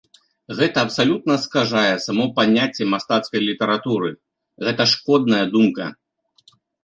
Гэта абсалютна скажае само паняцце мастацкай літаратуры, гэта шкодная думка.